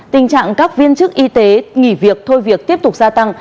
tình trạng các viên chức y tế nghỉ việc thôi việc tiếp tục gia tăng